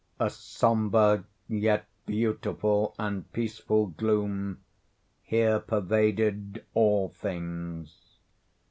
A sombre, yet beautiful and peaceful gloom here pervaded all things.